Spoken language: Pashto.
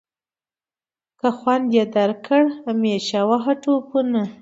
که خوند یې درکړ همیشه وهه ټوپونه.